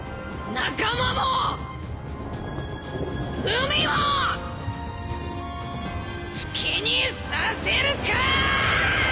仲間も海も好きにさせるかアアア！